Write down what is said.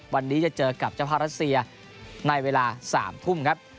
วันนี้จะเจอกับเจ้าภาพรัสเซียในเวลา๓ทุ่มครับ